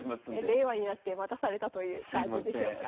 令和になってまたされたという感じでしょうか。